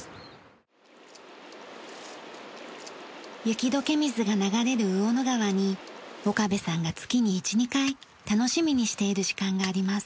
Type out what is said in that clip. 雪解け水が流れる魚野川に岡部さんが月に１２回楽しみにしている時間があります。